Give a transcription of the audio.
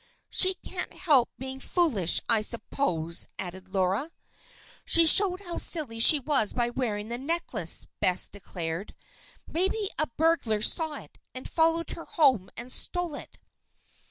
"She can't help being foolish, I suppose," added Laura. "She showed how silly she was by wearing the necklace," Bess declared. "Maybe a burglar saw it; and followed her home, and stole it."